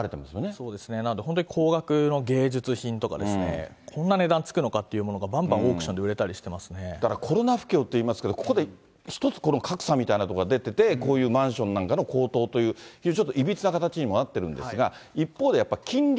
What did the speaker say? そうですね、本当高額の芸術品とかですね、こんな値段つくのかっていうものが、ばんばんオークションで売れだから、コロナ不況っていいますけれども、ここで一つ、この格差みたいなところが出てて、こういうマンションなんかの高騰という、ちょっといびつな形にもなってるんですが、一方で、やっぱり金利。